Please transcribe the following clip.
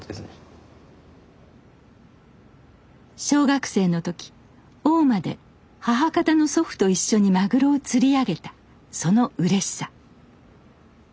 小学生の時大間で母方の祖父と一緒にマグロを釣り上げたそのうれしさ。